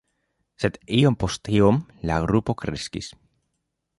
Sed iom post iom la grupo kreskis.